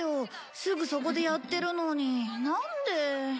すぐそこでやってるのになんで。